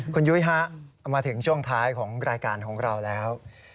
คุณยุ้ยฮะเอามาถึงช่วงท้ายของรายการของเราแล้ว